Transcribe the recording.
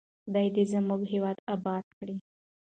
خدای دې زموږ هېواد اباد کړي.